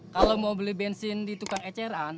kalau mau beli bensin di tukang eceran